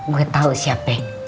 gue tau siapa